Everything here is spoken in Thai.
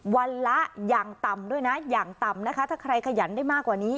วันละอย่างต่ำด้วยนะอย่างต่ำนะคะถ้าใครขยันได้มากกว่านี้